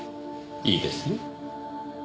いいですよ。